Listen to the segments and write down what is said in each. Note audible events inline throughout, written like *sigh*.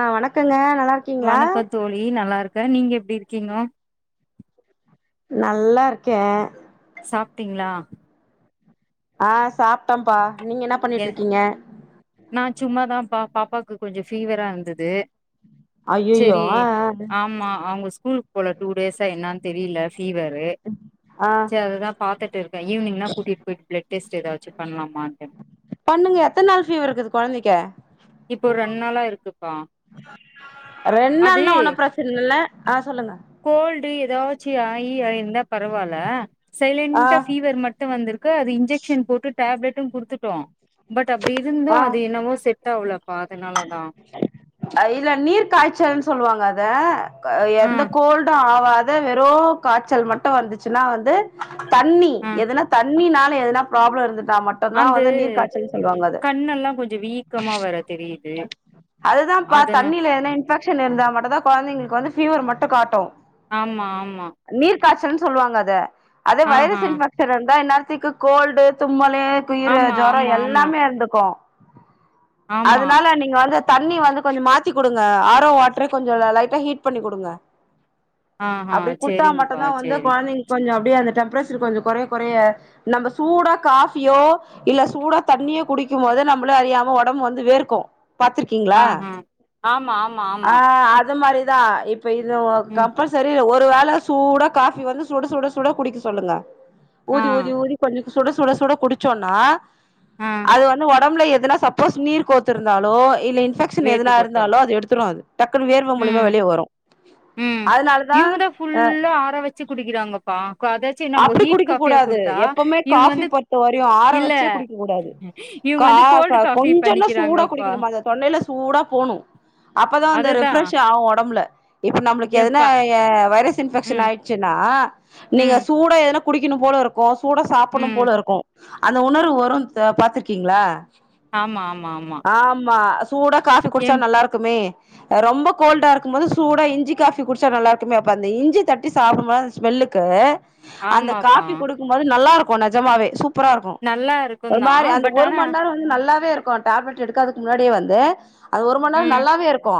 ஆ வணக் இருக்குங்க நல்லாருக்கீங்களா க்கா நீங்க எப்டி இருக்கீங்கோ நல்லா இருக்கே சாப்ட்டீங்களா ஆ சாப்ட்டம்ப்பா நீங்க என்னா எ பண்ணிட்ருக்கீங்க நா சும்மாதாப்பா பாப்பாக்கு கொஞ்ச ஃபீவரா இருந்தது ஐய்யய்யோ சரி ஆ ஆ ஆமா அவங்க ஸ்கூல் போல டூ டேஸா என்னானு தெரியல ஃபீவரு ஆ சரி அதுதா பாத்துட்ருக்கே ஈவினிங்னா கூட்டிட்டு போயிட்டு பிளட் டெஸ்ட் ஏதாச்சு பண்ணலாமான் பண்ணுங்க எத்தனை நாள் ஃபீவர் இருக்குது கொழந்தைக்கி இப்போ ரெண் நாளா இருக்குப்பா ரெண்டு அது நாள்னா ஒன்னு பிரச்சன இல்ல ஆ சொல்லுங்க கோல்டு ஏதாச்சு ஆயி ஆயிருந்தா பரவால்ல ஆ சைலண்டா பபீவர் மட்டு வந்திருக்கு அது இன்ஜெக்ஷன் போட்டு டேப்லெட் டைம் குடுத்துட்டோ பட் அப்டி இருந்து அது என்னமோ செட் தவ்ல இல நீர் காய்ச்சல்ன்னு சொல்லுவாங்க அ த க ஆ எந்த கோல்டு ஆவாத் வெரூ காய்ச்சல் மட்டு வந்துச்சுன்னா வந்து தண்ணி எதுனா தண் ண்ணினால எதனா ப்ராப்ளம் இருந்துட் அந்து கண்ணெல்லா கொஞ்ச வீக்கமா வேர தெரியு அதுதா பா தண்ணியில எதனா இன்ஃபெக்ஷன் இருந்தா மட்டும் தான் கொழந்தைங்களுக்கு வந்து ஃபீவர் மட்டு காட்டு ஆமா ஆமா காச்சல்லுன்னு சொல்லுவாங்க அத அதே ஆஹா வைரஸ் இன்பெக்ஷன் இருந்தா இந்நேரோ க்கு கோல்டு தும்மல் குய்ற ஆமா சொர ஆமா ஆமா எல்லாமே இருந்துக்கு ஆமா அதனால நீங்க வந்து தண்ணி வந்து கொஞ்ச மாத்தி குடுங்க ஆரோ வாட்டரே கொஞ்ச லைட்டா ஹீட் பண்ணி குடுங்க ஆஹா அப்டி குடுத்தா செரிங்கப்பா மட்டுந்தா வந்து செரி கொழந்தைங்க கொஞ்ச அப்டியே அந்த டெம்ப்ரேச்சர் கொஞ்ச கொறைய கொறைய நம்ம சூட காபியோ இல்ல சூட தண்ணியோ குடிக்கும் போது நம்மள அறியாம ஒடம்பு வந்து வேர்க்கு பாத்துருக்கீங்களா ஆஹா ஆமா ஆமா ஆ ஆமா அது மாரி தா இப் ப்ப இது ம் கம்பல்சரி ஒ ஒரு வேல சூட காபி வந்து சுட சுட சுட குடிக்க சொல்லுங்க ஆ ஊதி ஊதி ஊதி சொஞ்ச சுட சுட சுட குடிச்சோன்னா ஆ அது வந்து ஒ ஒடம்புல எதுனா சப்போஸ் நீர் கோத்துருந்தாலோ இல்ல இன்பெக்ஷன் வேத்து எதனா கொட்டு இருந்தாலோ அது எடுத்துரு அது டக்குன்னு வேர்வ மூலியமா ம் வெளிய வரு ம் அதனாலதா யூமுதா ஆ ஃபுல்லா ஆற வச்சு குடிக்கிறாங்கப்பா அதாச்சு நம்ம அப்டி ஹீட் குடிக்க காஃபியா கூடாது குடுத்தா எப்பவுமே இவுங்க காபி வந்து பொறுத்த வரையு ஆற இல்ல வச்சே குடிக்க கூடாது இவுங்க கா வந்து கோல்டு காஃபி கொஞ்சன்ன சூடா பண்ணிக்கிறாங்கப்பா குடிக்கணுமா அந்த தொண்டையில சூடா போணு அப்பதா அந்த ரெ அதுதா பிரஷ் ஆகு ஒ ம்புல இப்ப நம்மளுக்கு எதுனா எப்பா எ வைரஸ் இன்ஃபெக்ஷன் ம் ஆய்டுச்சுன்னா நீங்க ம் எதன குடிக்கணு போல இருக்கு சூட சாப்பணு ம் போல இருக்கு அந்த உணர்வு வரு த பாத்துருக்கீங்களா ஆமா ஆமா ஆமா சூடா காஃபி குடிச்சா எம் நல்லாருக்குமே ரொம்ப கோல்டா இருக்கும் போது சூடா இஞ்சி காஃபி குடிச்சா நல்லா இருக்குமே அப்ப அந்த இஞ்சி தட்டி சாப்டும்போத் அந் ஸ்மெல்லுக்கு அந்த ஆமாப்பா காஃபி குடுக்கும்போது நல்லாருக் கு நெஜமாவே சூ ப்பரா இருக்கு நல்லா ஒரு இருக்குந்தா மாரி அந்த பட் ஒரு ஆனா மண் நேரோ வந் நல்லா வே இருக்கு டேப்லெட் எடுக்காததுக் முன்னாடியே வந்து அது ஒரு மண் நேரோ ம் நல்லாவே இருக்கு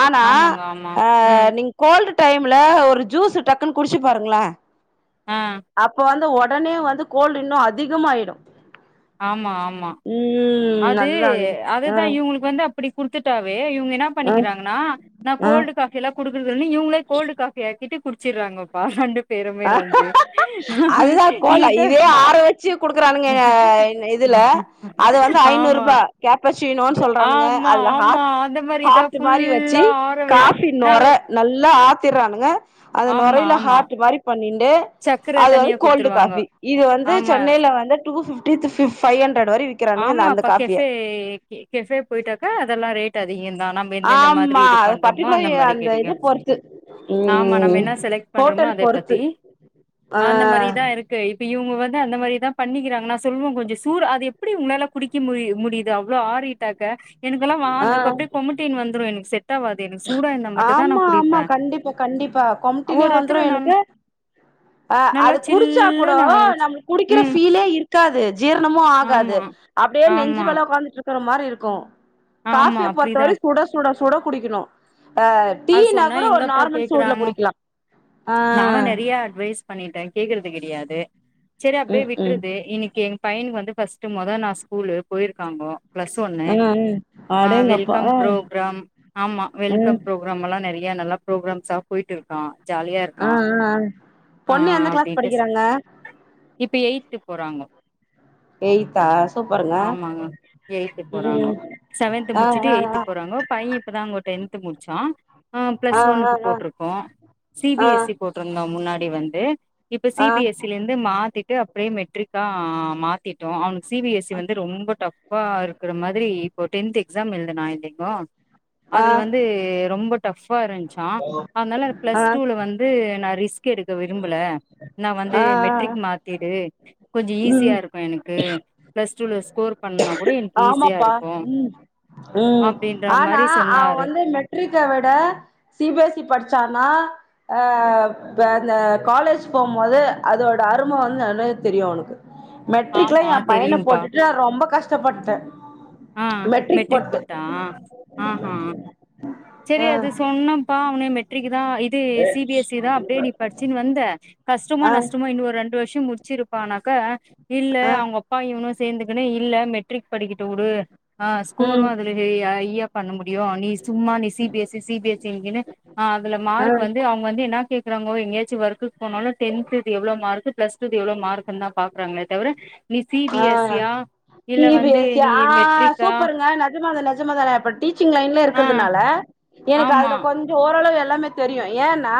ஆனா ஆமாங்க ஆமா அ ம் நீங் கோல்டு டைம்ல ஒரு ஜூஸு டக்குன் குடிச்சு பாருங்களே ஆ அப்ப வந் து ஒடனே வந்து கோல்டு இன்னு அதிகமாயிடு ஆமா ஆமா ம் அது அதுதா அதுதா இவுங்களுக்கு வந்து அப்பிடி குடுத்துட்டாவே ஏ இவுங் என்னா ஆ பண்ணிக்கிறாங்கன்னா நா ஆ கோல்டு காஃபி எல்லா குடுக்கர்தில்னு இவுங்களே கோல்டு காஃபி ஆக்கிட்டு குடிச்சிட்றாங்கப்பா ரெண்டு பேருமே வந்து அதுதா கோல்டா ஹீட்டா இதுவே ஆற வெச்சு குடுக்கறான்னுங்க எ இன் இதுல அது வந் து ஐநூர் ஆமா ருபா கேப்பர்சீனோன் சொல்றானுங்க ஆமா அதுல ஹார் ஆமா அந்த மாரி இதா ஹார்ட்டு மாரி வச்சி ஃபுல்லா ஆற வச் காஃபி நா நொர அது நல் நல்லா ஆத்திர்றானுங்க அது ஆமா நொரைல ஆமா ஹார்ட்டு மாரி பண்ணின்டு சக்கர அது வந்து தனியா கோல்டு குடுத்துருவாங்க காஃபி இது வந்து ஆமா சென்னைல வந்து டூ ஃபிஃப் டி டூ ஃபிஃப் ஃபை அன் ஆமா இப்ப கேஃபே கி கேஃபே போய்ட்டாக்கா அதெல்லா ரேட் அதிகந்தா நம்ம எந்தெந்த மாதிரி ஆமா இது அது பண்றமோ பர்டிகுலர் அந்த மாரி கெடைக்கு இது பொறுத்து ஆமா நம்ம ம் என்ன செலக்ட் பண்றமோ ஹோட்டல் அந் த பொறுத்து பத்தி ஆ அந்த மாரி தா இருக்கு இப் இவுங்க வந்து அந்த மாரி தா பண்ணிக்கிறாங்க நா சொல்வே கொஞ்ச சூர அது எ ப்டி உங்களால குடிக்க முரி முடியுது அவ்ளோ ஆறிட்டாக்கா எனக்கெல்லா வா ஆ என்க் அப்டே கொமட்டீன் வந்துரு எனக் செட் ஆவாது எனக்கு சூடா இருந்தா மட்டுந்தா நா ஆமா ஆமா குடிப்ப கண்டிப்பா கண்டிப்பா கொமட்டினே வந்துரு ஒருத்தரு நல் எனக்கு ஆ நல்லா அது குடிச்சா கூட சில்லுனு ஆரம்பிச்சு நம்ளுக் குடிக்கற ம் ஃபீலே இருக் காது ஜீரணமு ஆகாது ஆமா அப்டியே நெஞ்சு ஆமா மேலே ஒக்காந்துட்ருக் க்கற மாரி இருக்கு ஆமா காஃபியா பொறுத்த அப்டிதா வரயு சுட சுட சுட குடிக்கணு ஆ அது டீனா சொன்னா கூட ஒரு எங்கப்பா நார்மல் சூடுல கேக்குறாங்க குடிக்கலா ஆ நானு நெறைய அட்வைஸ் பண்ணிட்டே கேக்குறது கிடையாது செரி அபடியே ம் ம் விட்றது இன்னைக்கு எங் பையனுக்கு வந்து பஸ்ட்டு மொத நா ஸ்கூல்லு போயிருக்காங்கோ ப்ளஸ் ஒன்னு ம் ம் ஆ அடேங்கப்பா வெல்கம் ஆ ப்ரோ ப்ரம் ஆமா ம் வெல்கம் எல்லா நெறைய நல்லா ப்ரோக்கிரம்ஸ்சா போய்ட்டு இருக்கா ஜாலியா ஆ இருக்கா ஆ ஆ பொண்ணு எந்த கிளாஸ் அப்டின்ட்டு படிக்கிறாங்க இப்ப எயித்து போறாங்கொ எய்த் தா ஆமாங்க எய்த்து போறாங்கோ ம் செவன்த் ஆ முடிச்சுட்டு ஆ எய்த்து போறாங்கோ பைய இப்பதான்ங்கோ டென்த் முடி ச்ச ஆ பிளஸ் ஒன்னக்கு போட்டிருக்கோ சி பி ஆ ஆ எஸ் சி போட்டிருந்தோ முன்னாடி வந்து இப்போ சி ஆ பி ஆ எஸ் சில இருந்து மாத்திட்டு அப்டியே மெட்ரிக்கா மாத்திட்டோ அவனுக்கு சி வி இது வந்து ரொம்ப டஃப் அப்பா இருக்கற மாதிரி இப்போ டென்த் எக்ஸாம் எழுதுனா இல்லைங்கோ ஆ ஆ அதுல வந்து ரொம்ப டப் அப்ப இருஞ்சா அதனால பிளஸ் ஆ டூல வந்து நா ரிஸ் ரிஸ்க் எடுக்கல விரும்பல நா வந்து ஆ மெட்ரிக் ஆ மாத்திடு *inaudible* கொஞ்ச ஈஸியா ம் இருக்கு எனக்கு பிளஸ் டூ ல ஸ்கோர் பண்ணப் ஆமாப்பா ம் ம அப்டின்ற ஆனா மாரி அவ சொன்னாரு வந்து மெட்ரிக்க விட சி பி எஸ் இ படிச்சான்னா அ வேற காலேஜ் போகும்போது அதோட அரும வந்து நல்லாவே தெரியு அவனுக்கு மெட்ரிக்ல ஆமா ஏ பையன தெரியும்பா போட்டுட்டு ரொம்ப கஷ் கஷப்பட்ட ஆ மெட்ரிக் போட்டு சரி ஆ அது சொன்னப்பா னே மெட்ரிக் இதா இது சி பி எஸ் இ தா அப்டியே நீ படிச்சுனு வந்த கஷ்டமா ஆ நஷ்டமோ இன்னொரு ரெண்டு வரு படிச்சு முடிச் வச்சிருப்பானாக்க இல்ல ஆ அவங்க அப்பா இன்னு சேந்துகினு இல்ல மெட் ட்ரிக் படிக்கட்டு விடு ஆ ஸ்கோரு ம் அதுல ஐயா பண்ண முடியு நீ சும்மா நீ C B S C C B S C ங்குனு அதுல மார்க் ஆ வந்து அவங்க வந்து என்னா கேக்குறாங்கோ எங்கயாச்சு ஒர்க்கு போனாலு டென்த் எவ்ளோ மார்க் பிஸ்டூது எவ்ளோ மார்க்குன்னுதா பாக்குறாங்க தவர நீ சி பி ஆ எஸ் சியா சி இல்ல பி வந்து எஸ் சி நீ ஆ மெட்ரிக்கா சூப்பருங்க நெஜமாதா நெஜமாதாங்க டீச்சிங் லைன்ல ஆ இருக்கிறதுனால எனக்கு ஆமா அதுல கொஞ்சொ ஓரளவு எல்லாமே தெரியு ஏன்னா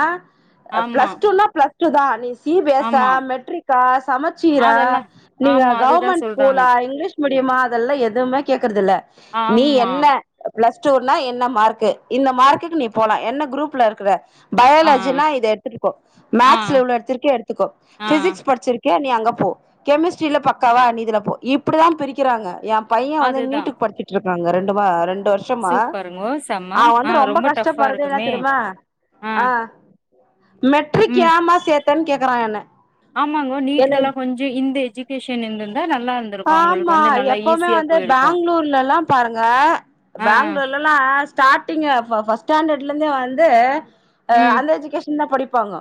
அ ஆமா பிளஸ்டூன்னா பிளஸ் சுதா நீ ஸ் சி பி எஸ்ஸா ஆமா மெட்ரிக்கா சமச்சீரா அதெல்லா நீங்க ஆமா அதுதா கவர்மெண்ட் ஸ்கூலா சொல்றாங்கோ இங்கிலீஷ் முடியுமா அதெல்லா எதுமே கேக்குறதுல்ல நீ ஆமா என்ன பிளஸ் டூன்னா என்ன மார்கு இந்த மார்க்குக்கு நீ போலா என்ன குரூப்ல இருக்குற ஆ பயாலஜினா இது எடுத்துருக்கோ ஆ மேக்ஸ்ல இவ்ல எடுத்திருக்கோ எடுத்துக்கோ ஆ பிசிக்ஸ் படிச்சிரு க நீ அங்க போ கெமிஸ் ரில பக்காவா நீதுல போ இப்டிதா பிரிக்கிறாங்க எ பைய வந்து அதுதா நீட்டுக்கு படிச்சிட்ருக் அங்க ரெண்டு பா ரெண் டு வருஷமா சூப்பருங்கோ செம்ம அவ வந்து ஆ ரொம்ப டஃபா கஷ்டப்படுறது என்னா இருக்குமே தெரிமா ஆ மெட்ரிக் ம் ஏமா சேத்தேன்னு கேக்கறா என்ன ஆமாங்கோ என்ன நீட்டு்கெல்லா கொஞ்சொ இந்த எஜுகேஷ் *unintelligible* ஆமா எப்பவுமே வந்து போயிருக்கு பேங்ளூர்லல்லா பாருங்க ஆ பேங்ளூர்ல்லலா ஸ்டார்டிங்க பா ஃபர்ஸ்ட் ஸ்டாண்டர்ட்லருந்தே வந்து அ ம் அன் எஜுகேஷந்தா படிப் ப்பாங்கோ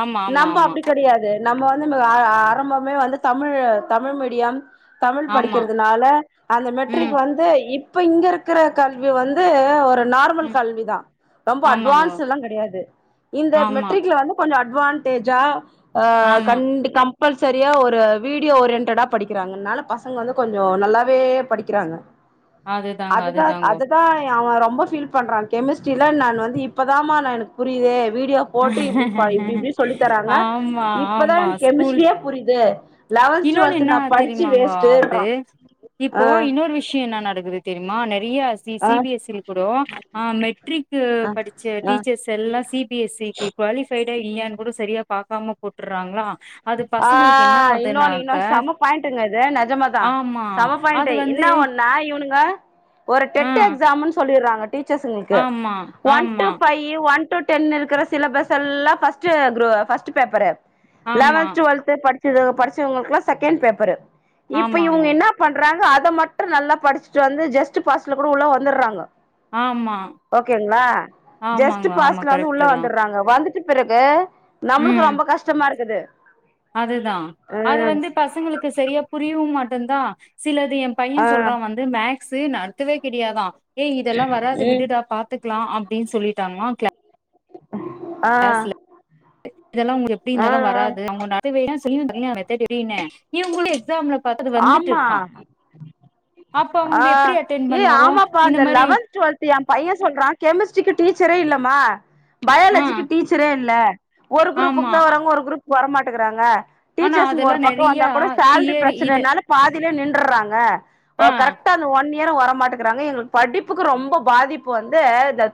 ஆமா ஆமா நம்ப ஆமா அப்டி கெடயாது நம்ம வந்து ஆ ஆரம்பமே வந்து தமிழ் தமிழ் மீடியம் தமிழ் ஆமா படிக்கிறதுனால அந்த மெட்ரிக் ம் வந்து இப் ப்ப இங்க இருக்கிற கல்வி வந்து ஒரு நார்மல் ம் கல்விதா ரொம்ப ஆமாங்கோ அட்வான்ஸெல்லா கெடயாது இந்த ஆமா மெட்ரிகல வந்து கொஞ்சொ அ ட்வான்டேஜா ஆ ஆமா கண்டி கம் கம்பல்சரியா ஒரு வீடியோ ஓரியன்டடா படி படிக்கிறாங்கனால பசங்க வந்து கொஞ்சோ நல்லாவே படிக்கிறாங்க அதுதாங்கோ அது தா அதுதாங்கோ அது தா அவ ரொம்ப ஃபீல் பண்றா கெமிஸ்ட்ரியில நான் வந்து இப்பதாமா நா எனக்கு புரியுதே வீடியோ போட்டு இப்டி ப இப்டி இப்டி சொல்லி தராங்க ஆமா இப்பதா ஆமா எனக் ஸ்கூல் கெமிஸ்ட்ரியே புரியுது லவள்த் டுவள்த் நா படிச்சு தெரிங்ளாங்கோ அவுது வேஸ்ட்டுன்றா ஆ இப்போ இன்னொரு விஷய என்னா நடக்குது தெரியுமா நே நெறையா சி ஆ சி பி எஸ் சில் கூட ஆ மெட்ரிக்கு ஆ படிச்ச ஆ டீச்சர்ஸ் எல்லா சி பி எஸ் சிக்கு குவாலிஃபைடே இல்லாய்னு கூட சரியா பாக்காம போட்டுறாங்களா அது ஆ பசங்களுக்கு என்னா இன்னொன்னு இன்னொ செம பாயிண்ட்டுங்க இது நெஜமா தா ஆமா செம பாயிண்ட் அது வந்து என்ன ஒன்னா இவனுங்க ஒரு ஆ டெட் எக்ஸாம்ன்னு சொல்லிறாங்க டீச்சர்ஸ்ங்களுக்கு ஆமா ஒன் டூ ஆமா ஃபைவ் ஒன் டூ டென் இருக்குற சிலபஸ் எல்லா ஃபஷ்ட் க்ரே ஃபஷ்ட் பேப்பரு ஆமா லவன்த் டுவள்த் ப ச படிச்சவங்களுக்குலா செகண்ட் பேப்பரு இப்ப இவங்க ஆமாங்க என்ன பண்றாங்க அ அத மட்டு நல்லா படிச்சுட்டு வந்து ஜஸ்ட் பாஸ்ல கூட உள்ள வந்துறாங்க ஆமா ஓகேங்களா ஜஸ்ட் ஆமாங்க ஆமா பாஸ்ல வந்து உள்ள கரெக்ட்டு தா வந்துறாங்க வந்துட் க்குபிறகு நம்மளுக்கு ரொம்ப கஷ்டமாருக் குது அதேதா அது வந்து பசங்களுக்கு சரியா புரியவு மாட் ந்தா சிலது ஏ ஆ பைய ஆ சொல்றா வந்து மேக்ஸ் சி நடத்தவே கெடயாதா ஏய் இதெல்லா வராது ம் விடுடா பாத்துக் லா அப்டின்னு சொல்லிட்டாங்களா க்ளா ஆ ளாஸ்ல இதெல்லா எப்டி ஆ இருந்தாலு ஆ வராது அவங்க *unintelligible* *unintelligible* இவங்களு எக்ஸாம்ல போய் ஆமா அப்ப அ அவங்க எப்டி அட்டென் ஏ பண்ணுவாவோ ஆமாப்பா இந்த அந்த மாரி லெவன்த் டுவெல்த் ஏ பைய சொல்றா கெமிஸ்ட்ரிக்கு டீச்சரே இல்லமா ஆ பயாலஜிக்கு டீச்சரே இல்ல ஒரு ஆமா குரூப்புக்கு தா அ- வரங்க ஒரு குரூப் வரமாட்டேங்கறாங்க ஆனா டீச்சர்ஸ்ங்க அதெல்லா ஒரு பக்கம் வந்தா நெறையா கூட சேல்ரி தியரி பிரச் இது என்னால பாத் நின்டர்றாங்க இப்போ ஆ கரெக்டா அந்த ஒன் இய வரமாட்டேங்கிறாங்க எங்க படிப்புக்கு ரொம்ப பாதிப்பு வந்து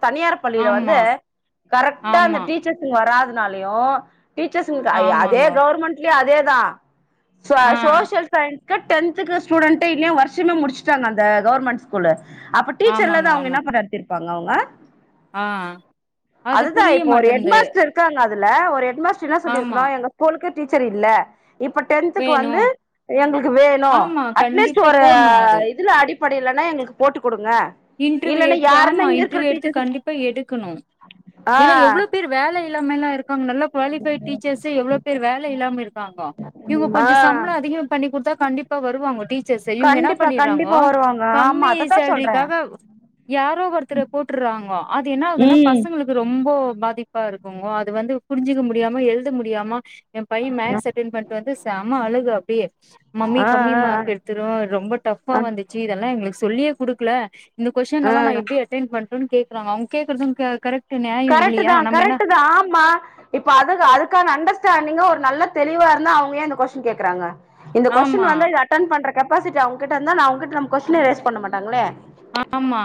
தனியார் பள்ளியில ஆமா வந்து கரெக்டா அந்த ஆமா டீச்சர்ஸ்சுங்க வராது னாலயு டீச்சர்ஸ்சுங் அதே ஆமாங்க கவர்மெண்ட் அதேதா சோ ஆ சோசியல் டென்த்துக்கு ஸ்டுடென்ட்டே இன்னியு வருஷமே முடிச்சட்டாங்க அந்த கவர்மெண்ட் ஸ்கூலு அப்ப டீச்சர் ஆமாங்க இல்லது அவங்க ஆமா என்ன பண்ணறது இருப்பாங்க அவங்க ஆ அது அதுதா புரிய இப்போ ஒரு ஹெட் மாட்டேன்து மாஸ்டர் இருக்காங்க அத் இல்ல ஒரு ஹெட் மாஸ்டர் என்ன ஆமா சொல்லிருக்கன்னு எங்க ஸ்கூலுக்கு டீச்சர் இல்ல இப்ப டென்த்துக்கு வேணு வந்து எங்களுக்கு வேணு ஆமா அட்லீஸ்ட் கண்டிப்பா ஒரு போட்ணு அது இதுல அடி இப்படில்லனா எங்களுக்கு போட்டு குடு இன்டர்வியூ எடுத்து ஆமா இன்டர்வியூ எடுத்து டீச்சர்ஸ் கண்டிப்பா எடுக்கணு ஆ ஏன்னா எவ்ளோ பேர் வேல இல்லாமெவ்லா இருக் நல்ல குவாலிபை டீச்சர்ஸ் எவ்ளோ பேர் வேல இல்லாம இருக்காங்க இவுங்க ஆ கொஞ்சோ சம்புளோ அதிகம் பண்ணிடுத்தா கண்டிப்பா வருவாங்க டீச்சர்ஸ்சு இவுங்க என்ன கண்டிப்பா பண்ணிரிறாங்க கண்டிப்பா வருவாங்க ஆமா கம்மி அததா சேல்ரி சொல்றே யாரோ ஒருத்தர போட்டுறாங்கோ அது என்ன ஆகுதுன்னா ம் பசங்களுக்கு ரொம்ப ரொம்ப பாதிப்பா இருக்குங்கோ அது வந்து புரிஞ்சிக்க முடியாம எழுத முடியாம எ பைய மேக்ஸ் அட்டென் பண்ணிட்டு வந்து செம்ம அழுக பி ஏ மம்மி ஆ கம்மி ஆ மார்க் எடுத்து ரொம்ப டஃபா ஆ வந்துச்சு இதெல்லா எங்களுக் சொல்லியே குடுக்ல இந்த கொஷ்டினல்லா ஆ ந எப்டி அட்டென் பண் ட்ருன் கேக்றாங்க அவ்ங் கேக்குறது க கரக் கரட்டு தா கரட்டு தா ஆமா இப்ப அதுக் அதுக்கான அண்டஸ்டா நீங்க ஒரு நல்ல தெளிவா ருந்தா அவங்க ஏ இந்த கொஸ்டின் கேக்றாங்க இந்த கொஸ்டின் ஆமா வந்து இத அட்டன் பண்றக் கெபாசிட்டி அவ்ங்கிட்டருந்தா ந அவ்ங்கிட் நம் கொஸ்டினே ரேஸ் பண்ண மாட்டாங்ளே ஆமா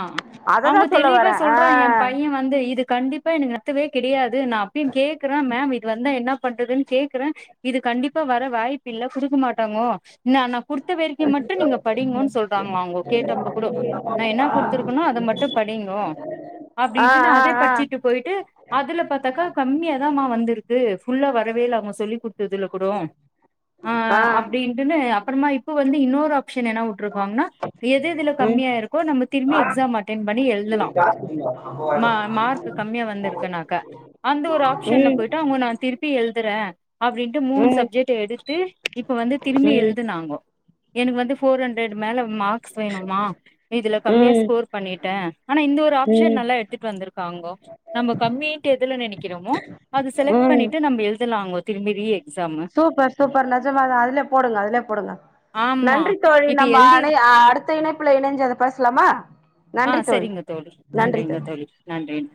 அவ்ங்க தெளிவா வரேன் ஆ சொல்றா ஏ பைய வந்து இது கண்டிப் ப்ப ன்ன நத்தவே கிடயாது நா அப்டின் கேக்றே மேம் இது வந்தா என்னாப் பண்றதுன் கேக்றே இது கண்டிப்பா வர வாய்ப் இல்ல குடுக் மாட்டாங்கோ ன்னா நா குடுத்த வெரிக்கு மட்டு நீங்க படிங்கோ சொல்றாங்ளா அவ்ங்கோ கேட்டப்ப கூடோ நா என்னா குடுத்ருக்கனோ அத மட்டும் படிங்கோ ஆ அப்டின்ட்னு ஆ அதே ஆ படிச்சிட்டு போய்ட்டு அதுல பாத்தாக்கா கம்மியாதா மார் வந்துருக்கு புஃல்லா வரவேல அவ்ங்க சொல்லி குட்த்துதுல கூடோ ஆ அப்டின்ட்டுனு அப்றோமா இப்போ வந்து இன்னொர் ஷின் என்னா வுட்ருக்காங்ன்னா எது எதுல ம் கம்மியா ருக் இப்போ நம்ம திரும்பி எக்ஸாம் அட்டன் பண்ணி எழுத்லா ம் ம் ம மார்க் கம்மியா வந்துருக்குநாக்க அந்த ஒரு ஆப்ஷன்ல போய்ட்டு அவ்ங்க நா திருப்பி எய்தறன் அப்டின்ட்டு மூனு சப்ஜெக்ட் எடுத்து இப்போ வந்து திரும்பி எல்துனாங்கோ எனுக் வந்து போஃர் ஹன் இது மேல மார்க்ஸ் வேணுமா இதுல ம் கம்மியா ஸ்கோர் பண்ணிட்ட ஆனா இந்த ஒரு ஆப்ஷன் ம் நல்லா எடுத்துட் வந்த்ருக்காங்கோ நம்ம கம்மின்ட் எ இதுல நெனக்றோமோ அது செலக்ட் ம் ம் பண்ணிட்டு நம்ம எழுத் த்லாங்கோ திரும்பி ரீ எக் சூப்பர் சூப்பர் நெஜமா தா அதலே போடுங்க அதலே போடுங்க ஆமா நன்றி தோழி இப்ப நம்ம எழுதி அனை அடுத்த இனை ப்புல இனஞ் அத பேஸ்லாமா அ செரிங்க தோழி நன்றிங்க தோழி நன்றிங்